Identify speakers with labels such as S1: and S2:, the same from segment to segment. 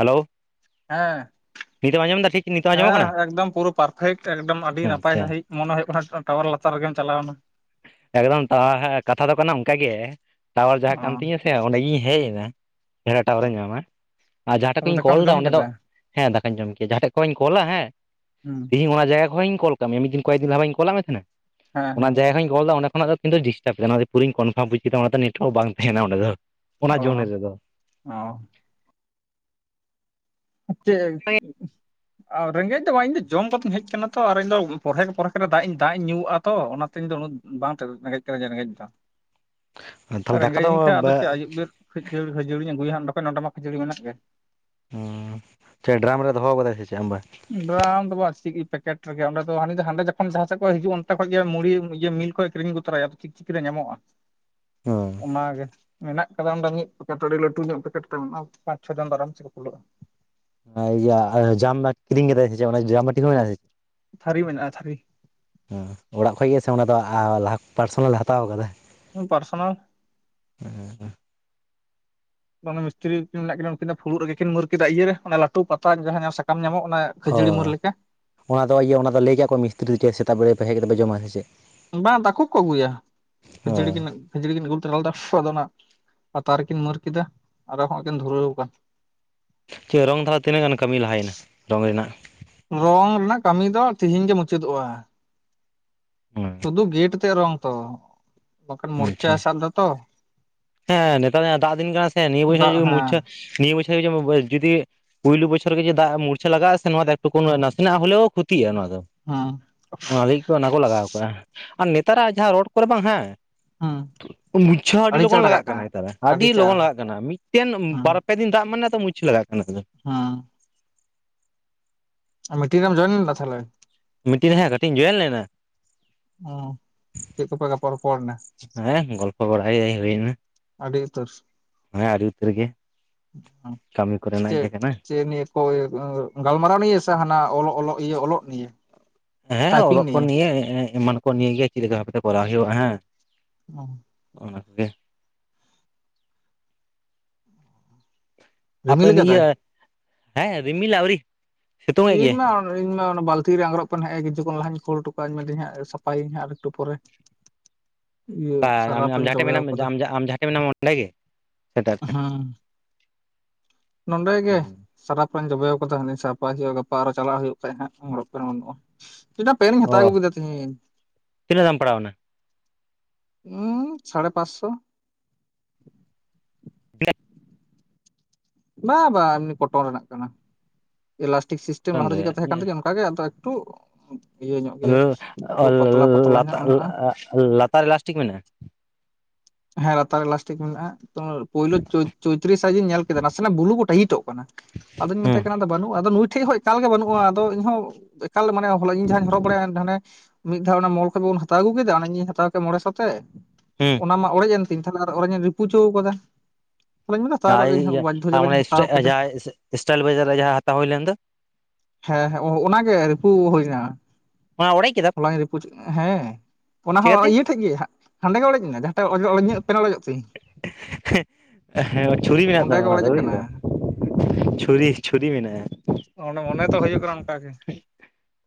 S1: Hello.
S2: ᱦᱮᱸ,
S1: ᱴᱷᱤᱠ ᱱᱤᱛᱚᱜ ᱟᱸᱡᱚᱢᱚᱜ ᱠᱟᱱᱟ
S2: ᱦᱮᱸ ᱮᱠᱫᱚᱢ ᱯᱩᱨᱟᱹ ᱯᱟᱨᱯᱷᱮᱠᱴ ᱮᱠᱫᱚᱢ ᱟᱹᱰᱤ ᱱᱟᱯᱟᱭ
S1: ᱟᱪᱪᱷᱟ
S2: ᱥᱟᱺᱦᱤᱡ ᱢᱚᱱᱮ ᱦᱩᱭᱩᱜ ᱠᱟᱱᱟ ᱴᱟᱣᱟᱨ ᱞᱟᱛᱟᱨ ᱨᱮᱜᱮᱢ ᱪᱟᱞᱟᱣ ᱮᱱᱟ᱾
S1: ᱮᱠᱫᱚᱢ ᱴᱟᱣᱟᱨ ᱠᱟᱛᱷᱟ ᱫᱚ ᱠᱟᱱᱟ ᱚᱝᱠᱟ ᱜᱮ, ᱴᱟᱣᱟᱨ ᱡᱟᱦᱟᱸ ᱠᱟᱱ ᱛᱤᱧᱟᱹ ᱥᱮ ᱚᱸᱰᱮ ᱜᱤᱧ ᱦᱮᱡ ᱮᱱᱟ᱾ ᱡᱟᱦᱟᱸ ᱨᱮ
S2: ᱚ
S1: ᱴᱟᱶᱟᱨᱮ ᱧᱟᱢᱟ᱾ ᱟᱨ ᱡᱟᱦᱟᱸ ᱴᱷᱮᱡ
S2: ᱛᱟᱦᱚᱞᱮ
S1: ᱠᱷᱚᱧ
S2: ᱫᱟᱠᱟᱢ
S1: ᱠᱚᱞ ᱮᱫᱟ
S2: ᱡᱚᱢ
S1: ᱚᱸᱰᱮ ᱫᱚ
S2: ᱠᱮᱫᱟ
S1: ᱦᱮᱸ ᱫᱟᱠᱟᱧ ᱡᱚᱢ ᱠᱮᱫᱟ, ᱡᱟᱦᱟᱸ ᱴᱷᱮᱡ ᱠᱷᱚᱧ ᱠᱚᱞᱟ ᱦᱮᱸ
S2: ᱦᱩᱸ
S1: ᱛᱤᱦᱤᱧ ᱚᱱᱟ ᱡᱟᱭᱜᱟ ᱠᱷᱚᱱᱤᱧ ᱠᱚᱞ ᱠᱟᱜ ᱢᱮᱭᱟ, ᱢᱤᱫ ᱫᱤᱱ ᱠᱚᱭᱮᱠ ᱫᱤᱱ ᱞᱟᱦᱟ ᱵᱟᱧ ᱠᱚᱞᱟᱜ ᱢᱮ ᱛᱟᱦᱮᱸᱱᱟ,
S2: ᱦᱮᱸ
S1: ᱚᱱᱟ
S2: ᱦᱮᱸ
S1: ᱡᱟᱭᱜᱟ ᱠᱷᱚᱧ ᱠᱚᱞ ᱫᱚ ᱚᱸᱰᱮ ᱠᱷᱚᱱᱟᱜ ᱫᱚ ᱠᱤᱱᱛᱩ ᱰᱤᱥᱴᱟᱵ ᱠᱮᱫᱟ ᱚᱱᱟ ᱯᱩᱨᱤᱧ ᱠᱚᱱᱯᱷᱟᱨᱢ ᱵᱩᱡᱽ ᱠᱮᱫᱟ ᱚᱱᱟ ᱫᱚ ᱱᱮᱴᱣᱟᱨᱠ ᱵᱟᱝ ᱛᱟᱦᱮᱸᱱᱟ ᱚᱸᱰᱮ ᱫᱚ᱾ ᱚᱱᱟ ᱡᱳᱱ
S2: ᱚ
S1: ᱨᱮᱫᱚ
S2: ᱚ᱾ ᱪᱮᱜ [inaudible] ᱟ ᱨᱮᱸᱜᱮᱡ ᱫᱚ ᱵᱟᱝ ᱤᱧᱫᱚ ᱡᱚᱢ ᱠᱟᱛᱮᱧ ᱦᱮᱡ ᱠᱟᱱᱟ ᱛᱚ ᱟᱨ ᱤᱧᱫᱚ ᱯᱚᱨᱮᱠ ᱯᱚᱨᱮᱠ ᱨᱮ ᱫᱟᱜ ᱤᱧ ᱫᱟᱜ ᱤᱧ ᱧᱩᱣᱟᱜᱼᱟ ᱛᱚ ᱚᱱᱟ ᱛᱮᱧ ᱫᱚ ᱩᱱᱟᱹᱜ ᱵᱟᱝ ᱨᱮᱜᱮᱡ ᱠᱟᱱᱟ ᱨᱮᱸᱜᱮᱡ ᱫᱚ᱾
S1: ᱛᱟᱦᱞᱮ ᱫᱟᱠᱟ ᱫᱚ ᱵᱮᱜ
S2: ᱠᱷᱟᱡᱟᱹᱲᱤ ᱠᱷᱟᱹᱡᱟᱹᱲᱤ ᱟᱹᱜᱩᱭᱟ ᱱᱚᱰᱮ ᱠᱷᱚᱱ ᱱᱚᱰᱮ ᱠᱷᱟᱹᱡᱟᱹᱲᱤ ᱢᱮᱱᱟᱜ ᱜᱮ᱾
S1: ᱦᱩᱸ ᱪᱮᱫ ᱰᱨᱟᱢ ᱨᱮ ᱫᱚᱦᱚ ᱠᱟᱫᱟᱭ ᱥᱮ ᱪᱮᱫ ᱟᱢᱵᱟ?
S2: ᱰᱨᱟᱢ ᱫᱚ ᱵᱟᱝ ᱪᱮᱫ ᱯᱮᱠᱮᱴ ᱨᱮᱜᱮ ᱚᱸᱰᱮ ᱫᱚ ᱦᱟᱸᱰᱮ ᱡᱚᱠᱷᱚᱱ ᱡᱟᱦᱟᱸᱮᱫᱚᱡ ᱦᱤᱡᱩᱜ ᱚᱱᱛᱮ ᱠᱷᱚᱱᱚᱡ ᱜᱮ ᱢᱩᱲᱤ ᱤᱭᱟᱹ ᱢᱤᱞ ᱠᱷᱚᱡ ᱮ ᱠᱤᱨᱤᱧ ᱛᱚᱨᱟᱭᱟ ᱪᱤᱠᱪᱤᱠᱤ ᱨᱮ ᱧᱟᱢᱚᱜᱼᱟ᱾
S1: ᱦᱮᱸ
S2: ᱚᱱᱟ ᱜᱮ᱾ ᱢᱮᱱᱟᱜ ᱠᱟᱫᱟ ᱚᱸᱰᱮ ᱢᱤᱫ ᱯᱮᱠᱮᱴ ᱟᱹᱰᱤ ᱞᱟᱹᱴᱩ ᱧᱚᱜ ᱢᱤᱫ ᱯᱮᱠᱮᱴ ᱢᱮᱱᱟᱜ ᱯᱟᱸᱪ ᱪᱷᱚ ᱡᱚᱱ ᱫᱟᱨᱟᱢ ᱥᱮ ᱠᱚ ᱠᱩᱞᱟᱹᱜᱼᱟ᱾
S1: ᱚᱱᱟ ᱤᱭᱟ ᱡᱟᱢᱵᱟᱴᱤ ᱠᱤᱨᱤᱧ ᱠᱟᱫᱟᱭ ᱥᱮ ᱪᱮᱫ ᱡᱟᱢᱵᱟᱴᱤ ᱦᱚ ᱢᱮᱱᱟᱜ ᱠᱟᱫᱟ ᱥᱮ ᱪᱮᱫ?
S2: ᱛᱷᱟᱹᱨᱤ ᱢᱮᱱᱟᱜᱼᱟ ᱛᱷᱟᱹᱨᱤ᱾
S1: ᱦᱩᱸ ᱚᱲᱟᱜ ᱠᱷᱚᱡ ᱜᱮ ᱥᱮ ᱟ ᱞᱟᱦᱟ ᱠᱷᱚᱱᱟᱜ ᱯᱟᱨᱥᱚᱱᱟᱞ ᱮ ᱦᱟᱛᱟᱣ ᱠᱟᱫᱟ?
S2: ᱦᱩᱸ ᱯᱟᱨᱥᱳᱱᱟᱞ
S1: ᱩᱸ ᱩᱸ᱾
S2: ᱚᱱᱮ ᱢᱤᱥᱛᱨᱤ ᱠᱤᱱ ᱢᱮᱱᱟᱜ ᱠᱤᱱᱟ ᱩᱱᱠᱤᱱ ᱫᱚ ᱯᱷᱩᱲᱩᱜ ᱨᱮᱜᱮ ᱠᱤᱱ ᱢᱟᱨ ᱠᱮᱫᱟ ᱤᱭᱟ ᱨᱮ ᱚᱱᱟ ᱞᱟᱹᱴᱩ ᱯᱟᱛᱟ ᱡᱟᱦᱟᱸ ᱥᱟᱠᱟᱢ ᱧᱟᱢᱚᱜ ᱚᱱᱮ
S1: ᱚ ᱚᱱᱟᱫᱚ ᱤᱭᱟᱹ ᱚᱱᱟᱫᱚ ᱞᱟᱹᱭ ᱠᱟᱫ ᱠᱚᱣᱟ ᱢᱤᱥᱛᱨᱤ ᱪᱮᱫ ᱥᱮᱛᱟᱜ ᱵᱮᱨᱟ ᱯᱮ ᱦᱮᱡ ᱠᱟᱛᱮᱫ ᱯᱮ ᱡᱚᱢᱟ ᱥᱮ ᱪᱮᱫ?
S2: ᱵᱟᱝ ᱫᱟᱠᱚ ᱠᱚ ᱟᱹᱜᱩᱭᱟ
S1: ᱚ
S2: ᱠᱷᱟᱹᱡᱲᱤ ᱠᱤᱱ ᱠᱷᱤᱡᱲᱤ ᱠᱤᱱ ᱟᱹᱜᱩ ᱛᱟᱨᱟ ᱞᱮᱫᱟ ᱟᱫᱚ ᱚᱱᱟ ᱯᱟᱛᱟ ᱨᱮᱠᱤᱱ ᱢᱟᱨ ᱠᱮᱫᱟ ᱟᱨᱦᱚ ᱦᱚᱭ ᱠᱤᱱ ᱫᱷᱩᱨᱟᱹᱣ ᱠᱟᱱ᱾
S1: ᱪᱮᱫ ᱨᱚᱝ ᱫᱷᱟᱨᱟ ᱛᱤᱱᱟᱹᱜ ᱜᱟᱱ ᱠᱟᱹᱢᱤ ᱞᱟᱦᱟᱭᱮᱱᱟ? ᱨᱚᱝ ᱨᱮᱱᱟᱜ?
S2: ᱨᱚᱝ ᱨᱮᱱᱟᱜ ᱠᱟᱹᱢᱤ ᱫᱚ ᱛᱤᱦᱤᱧ ᱜᱮ ᱢᱩᱪᱟᱹᱫᱚᱜᱼᱟ᱾
S1: [inaudible]
S2: ᱥᱩᱫᱷᱩ ᱜᱮᱴ ᱛᱮ ᱨᱚᱝ ᱛᱚ ᱵᱟᱠᱷᱟᱱ ᱢᱩᱨᱪᱟ
S1: ᱟᱪᱪᱷᱟ
S2: ᱥᱟᱵ ᱫᱟ ᱛᱚ᱾
S1: ᱦᱮᱸ ᱱᱮᱛᱟᱨ ᱫᱟᱜ ᱫᱤᱱ ᱠᱟᱱᱟ ᱥᱮ ᱱᱤᱭᱟᱹ [unintelligible]
S2: ᱫᱟᱜ ᱦᱮᱸ
S1: ᱢᱩᱨᱪᱷᱟ ᱱᱤᱭᱟᱹ ᱵᱚᱪᱷᱚᱨ ᱨᱮ ᱡᱩᱫᱤ ᱯᱩᱭᱞᱩ ᱵᱚᱪᱷᱚᱨ ᱨᱮ ᱜᱮ ᱡᱫᱟᱜ ᱢᱩᱨᱪᱷᱟ ᱞᱟᱜᱟᱜᱼᱟ ᱥᱮ ᱱᱚᱣᱟ ᱴᱩᱠᱩᱱ
S2: ᱦᱩᱸ
S1: ᱱᱟᱥᱮᱱᱟᱜ ᱦᱚᱞᱮᱣ ᱠᱷᱩᱚᱛᱤᱜᱼᱟ ᱱᱚᱣᱟ ᱫᱚ᱾
S2: ᱦᱩᱸ
S1: ᱚᱱᱟ ᱞᱟᱹᱜᱤᱫ ᱚᱱᱟ ᱠᱚ ᱞᱟᱜᱟᱣ ᱠᱟᱜᱼᱟ ᱟᱨ ᱱᱮᱛᱟᱨᱟᱜ ᱡᱟᱦᱟᱸ ᱨᱳᱰ ᱠᱚᱨᱮ ᱵᱟᱝ ᱦᱮᱸ
S2: ᱦᱩᱸ
S1: ᱢᱩᱨᱪᱷᱟ ᱦᱚ ᱟᱹᱰᱤ ᱞᱚ ᱞᱚᱜᱚᱱ ᱞᱟᱜᱟᱜ ᱠᱟᱱᱟ ᱱᱮᱭᱟᱨ ᱟᱹᱰᱤ ᱞᱚᱜᱚᱱ ᱞᱟᱜᱟᱜ ᱠᱟᱱᱟ ᱢᱤᱫᱴᱮᱱ
S2: ᱦᱩᱸ
S1: ᱵᱟᱨᱯᱮ ᱫᱤᱱ ᱫᱟᱜ ᱢᱟᱱᱮ ᱛᱚ ᱢᱩᱨᱪᱟ ᱞᱟᱜᱟᱜ ᱠᱟᱱᱟ ᱟᱫᱚ᱾
S2: ᱦᱮᱸ᱾ ᱢᱤᱴᱤᱝ ᱨᱮᱢ ᱡᱚᱭᱮᱱ ᱞᱮᱫᱟ ᱛᱟᱦᱚᱞᱮ?
S1: ᱢᱤᱴᱤᱱ ᱨᱮ ᱦᱟᱸᱜ ᱠᱟᱹᱴᱤᱡ ᱤᱧ ᱡᱚᱭᱮᱞ ᱞᱮᱱᱟ᱾
S2: ᱪᱮᱫ ᱠᱚᱯᱮ ᱜᱟᱯᱟ ᱨᱚᱯᱚᱲ ᱮᱱᱟ
S1: ᱦᱮᱸ ᱜᱚᱞᱯᱚ ᱵᱟᱲᱟ ᱦᱩᱭᱱᱟ᱾
S2: ᱟᱹᱰᱤ ᱩᱛᱟᱹᱨ᱾
S1: ᱦᱮᱸ ᱟᱹᱰᱤ ᱩᱛᱟᱹᱨ ᱜᱮ ᱠᱟᱹᱢᱤ ᱠᱚᱨᱮᱱᱟᱜ ᱜᱮ ᱠᱟᱱᱟ᱾
S2: ᱦᱳᱭ ᱜᱟᱞᱢᱟᱨᱟᱣ ᱱᱤᱭᱮ ᱥᱮ ᱦᱟᱸᱱᱟ ᱚᱞᱚ ᱚᱞᱚᱜ? ᱤᱭᱟᱹ ᱚᱞᱚᱜ ᱱᱤᱭᱮ
S1: ᱦᱮᱸ ᱚᱞᱚᱜ ᱠᱚ ᱱᱤᱭᱮ ᱮᱢᱟᱱ ᱠᱚ ᱱᱤᱭᱮ ᱜᱮ ᱪᱮᱫ ᱞᱮᱠᱟ ᱵᱷᱟᱵᱛᱮ ᱠᱚᱨᱟᱣ ᱦᱩᱭᱩᱜᱼᱟ ᱦᱮᱸ᱾
S2: ᱚ᱾
S1: ᱚᱱᱟ ᱠᱚᱜᱮ᱾ ᱟᱯᱮ
S2: ᱨᱤᱢᱤᱞ ᱠᱟᱫᱟᱭ
S1: ᱤᱭᱟᱹ ᱦᱮᱸ ᱨᱤᱢᱤᱞ ᱟᱣᱨᱤ᱾
S2: ᱤᱧ ᱢᱟ ᱤᱧ ᱢᱟ ᱚᱱᱟ ᱵᱟᱞᱛᱤ ᱨᱮ ᱟᱜᱽᱨᱚᱵ ᱠᱚ ᱮᱱᱮ ᱠᱤᱪᱩ ᱠᱷᱚᱱ ᱞᱟᱦᱟᱧ ᱠᱷᱳᱲ ᱦᱚᱴᱚ ᱠᱟᱜᱟᱧ ᱢᱮᱱᱫᱟᱹᱧ ᱦᱟᱸᱜ ᱥᱟᱯᱷᱟᱭᱟᱹᱧ ᱟᱨᱮᱠᱴᱩ ᱯᱚᱨᱮ ᱤᱭᱟᱹ
S1: ᱠᱟ ᱟᱢ
S2: ᱥᱟᱨᱟᱯ
S1: ᱟᱢ
S2: ᱨᱤᱧ
S1: ᱡᱟᱦᱟᱸ ᱴᱷᱮᱱ
S2: ᱡᱚᱵᱮᱣ
S1: ᱢᱮᱱᱟᱜ ᱢᱮ
S2: ᱠᱟᱫᱟ
S1: ᱟᱢ ᱡᱟᱦ ᱡᱟᱦᱟᱸᱴᱷᱮ ᱢᱮᱱᱟᱢᱟ ᱚᱸᱰᱮ ᱜᱮ ᱥᱮ ᱮᱴᱟᱜ ᱴᱷᱮᱱ
S2: ᱦᱮᱸ ᱱᱚᱸᱰᱮ ᱜᱮ ᱥᱟᱨᱟᱯᱷ ᱨᱮᱧ ᱡᱚᱵᱮᱣ ᱟᱠᱟᱫᱟ ᱦᱟᱱᱮ ᱥᱟᱯᱟ ᱦᱩᱭᱩᱜᱼᱟ ᱜᱟᱯᱟ ᱟᱨᱚ ᱪᱟᱞᱟᱜ ᱦᱩᱭᱩᱜ ᱠᱷᱟᱡ ᱦᱟᱸᱜ ᱟᱸᱜᱨᱚᱡ ᱯᱮᱱᱴ ᱦᱚᱸ ᱵᱟᱹᱱᱩᱜᱼᱟ᱾ ᱪᱮᱫᱟᱜ ᱯᱮᱱ ᱤᱧ ᱦᱟᱛᱟᱣ
S1: ᱚ
S2: ᱟᱹᱜᱩ ᱠᱮᱫᱟ ᱛᱤᱦᱤᱧ
S1: ᱛᱤᱱᱟᱹᱜ ᱫᱟᱢ ᱯᱟᱲᱟᱣᱱᱟ
S2: ᱩᱸᱻ ᱥᱟᱲᱮ ᱯᱟᱸᱪ ᱥᱚ
S1: [unintelligible]
S2: ᱵᱟᱼᱵᱟ ᱮᱢᱱᱤ ᱠᱚᱴᱚᱱ ᱨᱮᱱᱟᱜ ᱠᱟᱱᱟ᱾ ᱮᱞᱟᱥᱴᱤᱠ ᱥᱤᱥᱴᱮᱢ
S1: ᱠᱚᱴᱚᱱ
S2: ᱞᱟᱦᱟᱛᱮ ᱪᱤᱠᱟᱹᱛᱮ ᱛᱟᱦᱮᱸ ᱠᱟᱱ
S1: ᱨᱮᱭᱟᱜ?
S2: ᱛᱮᱜᱮ ᱚᱠᱟ ᱜᱮ ᱴᱩ
S1: ᱟ.
S2: ᱧᱚᱜ ᱢᱮᱱᱟᱜᱼᱟ
S1: [unintelligible] ᱞᱟᱛᱟᱨ ᱨᱮ ᱞᱟᱥᱴᱤᱠ ᱢᱮᱱᱟᱜᱼᱟ᱾
S2: ᱦᱮᱸ ᱞᱟᱛᱟᱨ ᱨᱮ ᱞᱟᱥᱴᱤᱠ ᱢᱮᱱᱟᱜᱼᱟ᱾ ᱯᱳᱭᱞᱳ‌ ᱪᱚ ᱪᱳᱭᱛᱨᱤᱥ ᱥᱟᱭᱤᱡ ᱤᱧ ᱧᱮᱞ ᱠᱮᱫᱟ ᱱᱟᱥᱮᱱᱟᱜ ᱵᱩᱞᱩ ᱠᱚ ᱴᱷᱮᱜ ᱜᱮ ᱴᱟᱭᱤᱴᱚᱜ ᱠᱟᱱᱟ᱾ ᱟᱫᱚᱧ
S1: ᱦᱩᱸ
S2: ᱢᱮᱛᱟᱭ ᱠᱟᱱᱟ ᱟᱫᱚ ᱵᱟᱹᱱᱩᱜ ᱟᱫᱚ ᱱᱩᱭ ᱴᱷᱮᱸ ᱦᱚᱸᱭ ᱮᱠᱟᱞ ᱜᱮ ᱵᱟᱹᱱᱩᱜᱼᱟ ᱟᱫᱚ ᱤᱧᱦᱚᱸ ᱮᱠᱟᱞ ᱢᱟᱱᱮ ᱦᱚᱞᱟ ᱤᱧ ᱡᱟᱦᱟᱸᱧ ᱦᱚᱨᱚᱜ ᱵᱟᱲᱟᱭᱟ ᱦᱟᱱᱮ ᱢᱤᱫ ᱫᱷᱟᱣ ᱚᱱᱟ ᱢᱚᱞ ᱠᱷᱚᱡ ᱵᱚᱱ ᱦᱟᱛᱟᱣ ᱟᱹᱜᱩ ᱠᱮᱫᱟ, ᱚᱱᱟ ᱤᱧᱤᱧ ᱦᱟᱛᱟᱣ ᱠᱮᱫ ᱢᱚᱬᱮ ᱥᱚᱛᱮᱜ
S1: ᱦᱮᱸ᱾
S2: ᱚᱱᱟ ᱢᱟ ᱚᱲᱮᱡ ᱮᱱ ᱛᱤᱧ ᱛᱟᱦᱚᱞᱮ ᱟᱨ ᱚᱲᱮᱡ ᱤᱧ ᱨᱤᱯᱩ ᱪᱩᱣ ᱟᱠᱟᱫᱟ ᱛᱟᱦᱚᱞᱮᱧ ᱢᱮᱱᱫᱟ ᱦᱟᱛᱟᱣ
S1: ᱟᱹᱭ
S2: ᱠᱟᱜ ᱜᱤᱧ
S1: ᱤᱭᱟᱹ
S2: ᱵᱟᱫᱽᱫᱷᱚ ᱡᱟᱞᱟᱧ
S1: ᱚᱱᱮ
S2: ᱦᱟᱛᱟᱣ
S1: [unintelligible]
S2: ᱠᱮᱫᱟ
S1: ᱡᱟᱦᱟᱸᱭ ᱥᱴᱟᱭᱤᱞ ᱵᱟᱡᱟᱨ ᱨᱮ ᱡᱟᱦᱟᱸ ᱦᱟᱛᱟᱣ ᱦᱩᱭ ᱞᱮᱱ ᱫᱚ
S2: ᱦᱮᱸ ᱦᱮᱸ ᱚᱱᱟ ᱜᱮ ᱨᱤᱯᱩ ᱦᱩᱭ ᱠᱟᱱᱟ᱾
S1: ᱚᱱᱟ ᱚᱲᱮᱡ ᱠᱮᱫᱟᱢ
S2: ᱚᱱᱟ ᱜᱮ ᱨᱤᱯᱩᱡ ᱦᱮᱸ ᱚᱱᱟ ᱦᱚᱸ
S1: ᱪᱤᱠᱟᱹᱛᱮ
S2: ᱤᱭᱟᱹ ᱴᱷᱮᱜ ᱜᱮ ᱦᱟᱸᱜ ᱦᱟᱸᱰᱮ ᱜᱮ ᱚᱲᱮᱡ ᱱᱟ ᱡᱟᱦ ᱚᱲᱮᱧᱟᱹᱜ ᱯᱮ ᱚᱲᱮᱡᱚᱜ ᱛᱤᱧ
S1: [unintelligible] ᱦᱮᱸ ᱪᱷᱩᱨᱤ ᱢᱮᱱᱟᱜ
S2: ᱚᱸᱰᱮ
S1: ᱛᱟᱢᱟ
S2: ᱜᱮ
S1: ᱚᱱᱟ
S2: ᱚᱲᱮᱡ
S1: ᱫᱚ ᱵᱩᱡᱽ
S2: ᱟᱠᱟᱱᱟ
S1: ᱫᱟᱢ ᱪᱷᱩᱨᱤ ᱪᱷᱩᱨᱤ ᱢᱮᱱᱟᱜᱼᱟ᱾
S2: ᱚᱱᱮ ᱢᱚᱱᱮ ᱛᱚ ᱦᱩᱭᱩᱜ ᱠᱟᱱᱟ ᱚᱱᱠᱟ ᱜᱮ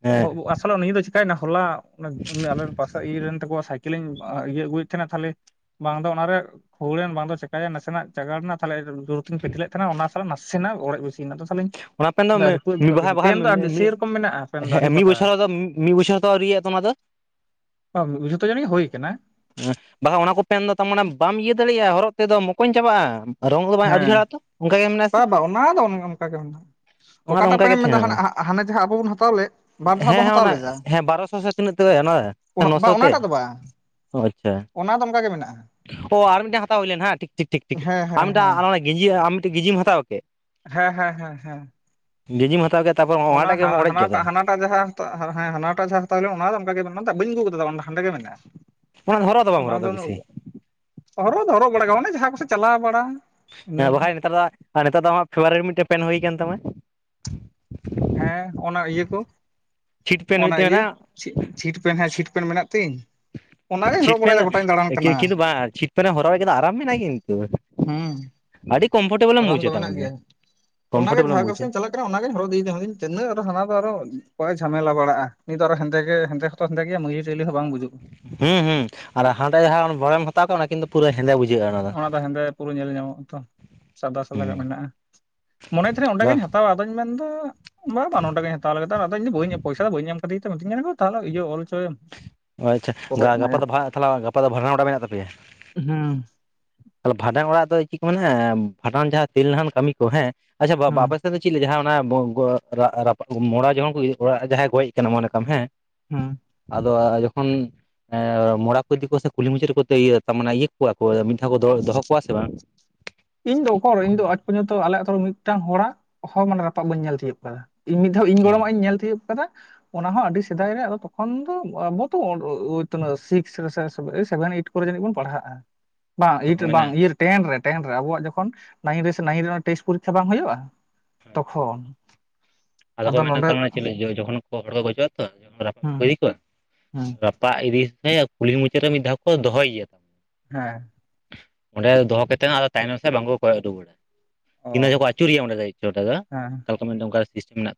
S1: ᱦᱮᱸ
S2: ᱟᱥᱚᱞᱚ ᱱᱤᱭᱟᱹ ᱫᱚ ᱪᱤᱠᱟᱹᱭᱮᱱᱟ ᱦᱚᱞᱟ [unintelligible] ᱩᱱᱤ ᱟᱞᱮ ᱨᱮᱱ ᱯᱟᱥᱮ ᱤᱭᱟᱹ ᱨᱮᱱ ᱛᱟᱠᱚᱣᱟ ᱥᱟᱭᱠᱮᱞᱤᱧ ᱟ ᱤᱭᱟᱹ ᱟᱹᱜᱩᱭᱮᱫ ᱛᱟᱦᱮᱱᱟ ᱛᱟᱦᱞᱮ ᱵᱟᱝ ᱫᱚ ᱚᱱᱟᱨᱮ ᱦᱩᱲᱮᱱ ᱵᱟᱝ ᱫᱚ ᱪᱮᱠᱟᱭᱮᱱ ᱱᱟᱥᱮᱱᱟᱜ ᱪᱟᱜᱟᱲᱱᱟ ᱛᱟᱦᱚᱞᱮ ᱡᱩᱨ ᱛᱤᱧ ᱯᱟᱹᱪᱷᱞᱟᱹᱭᱮᱫ ᱛᱟᱦᱮᱱᱟ ᱚᱱᱟ ᱛᱟᱦᱚᱞᱮ ᱱᱟᱥᱮᱱᱟᱜ ᱚᱲᱮᱡ ᱵᱮᱥᱤᱭᱮᱱᱟ ᱟᱫᱚ ᱛᱟᱦᱞᱚᱞᱮᱧ
S1: ᱚᱱᱟ ᱯᱮᱱ ᱫᱚ ᱢᱤᱫ ᱵᱟᱦᱟ ᱵᱟᱦᱟ ᱢᱮ ᱢᱮ
S2: ᱥᱮᱨᱚᱠᱚᱢ ᱢᱮᱱᱟᱜᱼᱟ ᱯᱮᱱ ᱫᱚ ᱟᱹᱰᱤ
S1: ᱦᱮᱸ ᱢᱤᱫ
S2: ᱵᱟᱛᱟᱨ
S1: ᱵᱚᱪᱷᱚᱨ ᱢᱤᱫ ᱵᱚᱪᱷᱚᱨ ᱫᱚ ᱟᱹᱣᱨᱤᱭᱟ ᱛᱟᱢᱟ ᱚᱫᱚ [inaudible]
S2: ᱟᱸ ᱡᱚᱛᱚ ᱡᱟᱹᱱᱤᱡ ᱦᱩᱭ ᱠᱟᱱᱟ᱾
S1: ᱦᱮᱸ ᱵᱟᱦᱟᱸ ᱚᱱᱟ ᱠᱚ ᱯᱮᱱ ᱫᱚ ᱛᱟᱢ ᱢᱟᱱᱮᱢ ᱵᱟᱢ ᱤᱭᱟᱹ ᱫᱟᱲᱮᱭᱟᱜᱼᱟ ᱦᱚᱨᱚᱜ ᱛᱮᱫᱚᱢ ᱢᱚᱠᱚᱧ ᱪᱟᱵᱟᱜᱼᱟᱢ ᱨᱚᱝ ᱠᱚᱫᱚ ᱵᱟᱸᱭ ᱟᱹᱰᱤ
S2: ᱦᱮᱸ
S1: ᱡᱷᱟᱲᱟ ᱟᱛᱚ ᱚᱱᱠᱟ ᱜᱮ ᱢᱮᱱᱟᱜ-ᱟ
S2: ᱵᱟ
S1: ᱥᱮ?
S2: ᱵᱟ ᱚᱱᱟ ᱫᱚ ᱚᱱᱮ ᱚᱱᱠᱟ ᱜᱮ ᱢᱮᱱᱟᱜ-ᱟ᱾
S1: ᱚᱱᱟ ᱫᱚ
S2: ᱚᱠᱟᱴᱟᱜ
S1: ᱚᱱᱠᱟ
S2: ᱯᱮ
S1: ᱜᱮ
S2: ᱮᱢ ᱮᱫᱟ
S1: ᱛᱟᱦᱮᱱᱟ
S2: ᱦᱟᱱᱮ ᱡᱟᱦᱟᱸ ᱟᱵᱚ ᱵᱚᱱ ᱦᱟᱛᱟᱣ ᱞᱮᱫ ᱵᱟᱨ ᱫᱷᱟᱸᱣ
S1: ᱦᱮᱸ
S2: ᱵᱚᱱ
S1: ᱦᱮᱸ
S2: ᱦᱟᱛᱟᱣ
S1: ᱚᱱᱟ
S2: ᱞᱮᱫᱟ
S1: ᱦᱮᱸ ᱵᱟᱨᱚᱥᱚ ᱥᱮ ᱛᱤᱱᱟᱹᱜ
S2: ᱾
S1: ᱛᱮ
S2: [inaudible]
S1: ᱥᱮ
S2: ᱚᱱᱟ ᱵᱟᱸ
S1: ᱱᱚᱥᱚ ᱛᱮ
S2: ᱚᱱᱟᱴᱟᱜ ᱫᱚ ᱵᱟᱸ ᱾
S1: ᱚ ᱟᱪᱪᱷᱟ ᱾ [inaudible] ᱚ ᱟᱨ ᱢᱤᱫᱴᱮᱱ ᱦᱟᱛᱟᱣ ᱦᱩᱭ ᱞᱮᱱ ᱦᱟᱸ ᱴᱷᱤᱠ ᱴᱷᱤᱠ ᱴᱷᱤᱠ ᱴᱷᱤᱠ
S2: ᱦᱮᱸ
S1: ᱟᱨ
S2: ᱦᱮᱸ
S1: ᱢᱤᱫ ᱴ
S2: ᱦᱮᱸ
S1: ᱟᱨ ᱦᱚᱸ ᱚᱱᱟ ᱜᱮᱸᱡᱤ ᱟᱢ ᱢᱤᱫᱴᱮᱱ ᱜᱮᱡᱤᱢ ᱦᱟᱛᱟᱣ ᱠᱮᱫ ᱾
S2: ᱦᱮᱸ ᱦᱮᱸ ᱦᱮᱸ ᱦᱮᱸ᱾
S1: ᱜᱮᱸᱡᱤᱢ ᱦᱟᱛᱟᱣ ᱠᱮᱫ ᱛᱟᱯᱚᱨ ᱚᱱᱟᱴᱟᱜ ᱜᱮᱢ ᱚᱲᱮᱡ ᱠᱮᱫᱟ?
S2: ᱴᱟᱜ ᱡᱟᱦᱟᱸ ᱦᱟᱱᱟᱴᱟᱜ ᱡᱟᱦᱟᱸ ᱦᱟᱛᱟᱣ ᱦᱩᱭ ᱞᱮᱱ ᱚᱱᱟ ᱫᱚ ᱚᱱᱠᱟ ᱜᱮ ᱵᱟᱹᱧ ᱟᱹᱜᱩ ᱠᱟᱫᱟ ᱛᱚ ᱦᱟᱸᱰᱮ ᱜᱮ ᱢᱮᱱᱟᱜ-ᱟ
S1: ᱚᱱᱟ ᱫᱚ ᱦᱚᱨᱚᱜ
S2: ᱾
S1: ᱵᱟᱢ
S2: ᱚᱱᱟ
S1: ᱦᱚᱨᱚᱜ ᱫᱟ
S2: ᱫᱚ
S1: ᱵᱮᱥᱤ
S2: ᱩ ᱦᱚᱨᱚᱜ ᱫᱚ ᱦᱚᱨᱚᱜ ᱵᱟᱲᱟ ᱜᱮ ᱚᱱᱮ ᱡᱟᱦᱟᱸ ᱠᱚᱥᱮᱫ ᱪᱟᱞᱟᱣ ᱵᱟᱲᱟ ᱾
S1: ᱦᱮᱸ ᱵᱟᱠᱷᱟᱡ ᱱᱤᱛᱟᱨ ᱟᱜ ᱱᱮᱛᱟᱨ ᱫᱚ ᱟᱢᱟᱜ ᱯᱷᱮᱵᱽᱨᱮᱨ ᱢᱤᱫᱴᱮᱸᱱ ᱯᱮᱱ ᱦᱩᱭ ᱟᱠᱟᱱ ᱛᱟᱢᱟ ᱾
S2: ᱦᱮᱸ ᱚᱱᱟ ᱤᱭᱟᱹ ᱠᱚ᱾
S1: ᱪᱷᱤᱴ ᱯᱮᱱ
S2: ᱚᱱᱟ
S1: ᱢᱤᱫᱴᱮᱱ
S2: ᱤᱭᱟᱹ
S1: ᱢᱮᱱᱟᱜᱼᱟ
S2: ᱪᱷᱤᱴ ᱯᱮᱱᱴ ᱦᱟᱸᱜ ᱪᱷᱤᱴ ᱯᱮᱱᱴ ᱢᱮᱱᱟᱜ ᱛᱤᱧ ᱾
S1: ᱪᱷᱤᱴ ᱯᱮᱱ ᱫᱚ ᱮᱠᱮ ᱮᱠᱤ ᱫᱩ ᱵᱟᱝ ᱪᱷᱤᱴᱯᱮᱱ ᱦᱚᱨᱟᱭ ᱠᱤᱫᱟ ᱟᱨᱟᱢ ᱢᱮᱱᱟᱜ-ᱟ ᱠᱤᱱᱛᱩ᱾
S2: ᱦᱩᱸ ᱾
S1: ᱟᱹᱰᱤ ᱠᱚᱢᱯᱷᱚᱴᱮᱵᱚᱞ
S2: ᱟᱨᱟᱢ ᱫᱚ ᱢᱮᱱᱟᱜ ᱜᱮᱭᱟ ᱚᱱᱟᱜᱮ ᱡᱟᱦᱟᱸ ᱠᱚ
S1: ᱵᱩᱡᱟ
S2: ᱥᱮᱤᱧ ᱪᱟᱞᱟᱜ ᱚᱱᱟᱜᱤᱧ ᱦᱚᱨᱚᱜ ᱤᱫᱤᱭ ᱫᱟ ᱢᱮᱱ ᱫᱟᱹᱧ ᱛᱤᱱᱟᱹᱜ ᱟᱨᱚ ᱦᱟᱱᱟ ᱫᱚ ᱟᱨᱚ ᱚᱠᱚᱭ ᱡᱷᱟᱢᱮᱞᱟ ᱵᱟᱲᱟᱜ-ᱟ ᱱᱤᱛ ᱫᱚ ᱟᱨᱚ ᱦᱮᱸᱫᱮ ᱜᱮ ᱦᱮᱸᱫᱮ ᱛᱚ ᱦᱮᱸᱫᱮ ᱜᱮᱭᱟ ᱢᱟᱹᱭᱞᱟᱹ ᱴᱟᱹᱭᱞᱟᱹ ᱦᱚᱸ ᱵᱟᱝ ᱵᱩᱡᱩᱜ-ᱟ ᱾
S1: ᱦᱩᱸ ᱦᱩᱸ ᱟᱨ ᱦᱟᱸᱰᱮ ᱡᱟᱦᱟᱸ [inaudible] ᱦᱟᱛᱟᱣ ᱠᱮᱫ ᱚᱱᱟ ᱠᱤᱱ ᱫᱚ
S2: ᱚᱱᱟ ᱫᱚ ᱦᱮᱸᱫᱮ ᱯᱩᱨᱟᱹ ᱧᱮᱞ ᱧᱟᱢᱚᱜ-ᱟ ᱛᱚ᱾ ᱥᱟᱫᱟ ᱥᱟᱫᱟ ᱜᱮ ᱢᱮᱱᱟᱜ-ᱟ ᱢᱚᱱᱮᱡ ᱛᱟᱦᱮᱸᱤᱧ ᱚᱸᱰᱮ
S1: ᱫᱚ
S2: ᱜᱤᱧ ᱦᱟᱛᱟᱣᱟ ᱟᱫᱚᱧ ᱢᱮᱱᱫᱟ ᱵᱟ ᱵᱟᱝ ᱱᱚᱰᱮᱜᱤᱧ ᱦᱟᱛᱟᱣ ᱞᱮᱫᱟ ᱟᱫᱚᱧ ᱟᱫᱚ ᱤᱧ ᱮᱢ ᱯᱚᱭᱥᱟ ᱫᱚ ᱵᱟᱹᱧ ᱮᱢ ᱠᱟᱛᱮᱫ ᱛᱚ ᱢᱤᱛᱟᱹᱧ ᱠᱟᱱᱟ ᱠᱚ ᱛᱟᱦᱚᱞᱮ ᱤᱭᱟᱹ ᱚᱞᱦᱚᱪᱚᱭᱮᱢ᱾
S1: ᱚ ᱟᱪᱪᱷᱟ ᱜᱟᱯᱟ ᱫᱚ ᱛᱟᱦᱚᱞᱮ ᱜᱟᱯᱟ ᱫᱚ ᱵᱷᱟᱰᱟᱱ ᱚᱲᱟᱜ ᱢᱮᱱᱟᱜ ᱛᱟᱯᱮᱭᱟ?
S2: ᱦᱩᱸ
S1: ᱛᱟᱦᱚᱞᱮ ᱵᱷᱟᱸᱰᱟᱱ ᱚᱲᱟᱜ ᱫᱚ ᱪᱮᱫ ᱠᱚ ᱢᱮᱱᱟ ᱵᱷᱟᱸᱰᱟᱱ ᱡᱟᱦᱟᱸ ᱛᱮᱞ ᱱᱟᱦᱟᱱ ᱠᱟᱹᱢᱤ ᱠᱚ ᱦᱮᱸ ᱟᱪᱪᱷᱟ ᱵᱟ
S2: ᱦᱩᱸ
S1: ᱟᱯᱮ ᱥᱮᱫ ᱪᱮᱫ ᱞᱮᱠᱟ ᱡᱟᱦᱟᱸ ᱚᱱᱟ ᱢᱚᱲᱟ ᱡᱚᱠᱷᱚᱱ ᱠᱚ ᱤᱫᱤ ᱠᱚᱣᱟ ᱡᱟᱦᱟᱸᱭ ᱜᱚᱡ ᱟᱠᱟᱱᱟ ᱢᱚᱱᱮ ᱠᱟᱜ ᱦᱮᱸ [inaudible]
S2: ᱦᱩᱸ
S1: ᱟᱫᱚ ᱡᱚᱠᱷᱚᱱ ᱢᱚᱲᱟ ᱠᱚ ᱤᱫᱤ ᱠᱚᱣᱟ ᱥᱮ ᱠᱩᱞᱦᱤ ᱢᱩᱪᱟᱹᱫ ᱨᱮ ᱠᱚ ᱮ ᱤᱭᱟᱹ ᱠᱚᱣᱟ ᱠᱚ [inaudible] ᱫᱚ ᱫᱚᱦᱚ ᱠᱚᱣᱟ ᱥᱮ ᱵᱟᱝ?
S2: ᱤᱧ ᱫᱚ ᱚᱠᱟᱨᱮ ᱟᱡ ᱯᱚᱨᱡᱚᱱᱛᱚ ᱟᱞᱮ ᱟᱛᱳ ᱨᱮ ᱢᱤᱫᱴᱟᱝ ᱦᱚᱲᱟᱜ ᱦᱚ ᱨᱟᱯᱟᱜ ᱵᱟᱹᱧ ᱧᱮᱞ ᱛᱤᱭᱳᱜ ᱟᱠᱟᱫᱟ ᱾ ᱤᱧ ᱢᱤᱫ ᱫᱷᱟᱣ ᱤᱧ ᱜᱚᱲᱚᱢᱟᱜ ᱤᱧ ᱧᱮᱞ ᱛᱤᱭᱳᱜ ᱠᱟᱫᱟ ᱾ ᱚᱱᱟ ᱦᱚᱸ ᱟᱹᱰᱤ ᱥᱮᱫᱟᱭ ᱨᱮ ᱟᱫᱚ ᱛᱚᱠᱷᱚᱱ ᱫᱚ ᱟᱵᱚᱛᱚ ᱥᱤᱥᱠ ᱨᱮ ᱥᱮᱵᱷᱮᱱ ᱮᱭᱤᱴ ᱠᱚᱨᱮ ᱡᱟᱹᱱᱤᱡ ᱵᱚᱱ ᱯᱟᱲᱟᱜ-ᱟ
S1: [unintelligible]
S2: ᱵᱟᱝ ᱟᱭᱤᱴ ᱨᱮ ᱵᱟᱝ
S1: ᱢᱮᱱᱟ
S2: ᱴᱮᱱ ᱨᱮ ᱴᱮᱱ ᱨᱮ ᱟᱵᱚᱣᱟᱜ ᱡᱚᱠᱷᱚᱱ ᱱᱟᱭᱤᱱ ᱨᱮ ᱥᱮ ᱱᱟᱭᱤᱱ ᱨᱮ ᱴᱮᱥᱴ ᱯᱚᱨᱤᱠᱷᱟ ᱵᱟᱝ ᱦᱩᱭᱩᱜ-ᱟ ᱛᱚᱠᱷᱚᱱ
S1: ᱟᱫᱚ ᱠᱚ ᱢᱮᱱᱟ ᱛᱟᱨᱢᱟᱱᱮ ᱡᱚᱠᱷᱚᱱ ᱠᱚ ᱦᱚᱲ ᱠᱚ ᱜᱚᱡᱚᱜ-ᱟ ᱛᱚ ᱨᱟᱯᱟᱜ ᱵᱟᱠᱚ
S2: ᱦᱩᱸ
S1: ᱤᱫᱤ ᱠᱚᱣᱟ
S2: ᱦᱩᱸ
S1: ᱨᱟᱯᱟᱜ ᱤᱫᱤ ᱥᱩᱢᱟᱹᱭ ᱠᱩᱞᱦᱤ ᱢᱩᱪᱟᱹᱫ ᱨᱮ ᱢᱤᱫ ᱫᱷᱟᱣ ᱠᱚ ᱫᱚᱦᱚᱭᱮᱭᱟ ᱾
S2: ᱦᱮᱸ
S1: ᱚᱸᱰᱮ ᱫᱚᱦᱚ ᱠᱟᱛᱮᱫ ᱦᱚᱸ ᱛᱟᱭᱱᱚᱢ ᱥᱮᱫ ᱵᱟᱝᱠᱚ ᱠᱚᱭᱚᱜ ᱨᱩᱣᱟᱹᱲᱟ ᱾
S2: ᱚ
S1: ᱛᱤᱱᱟᱹ ᱡᱚᱦᱚ ᱠᱚ ᱟᱹᱪᱩᱨᱮᱭᱟ ᱚᱸᱰᱮ ᱫᱚ
S2: ᱦᱮᱸ
S1: [inaudible] ᱚᱱᱠᱟ [inaudible] ᱢᱮᱱᱟᱜ